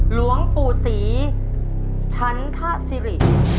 หลวงปู่ศรีชันทศิริ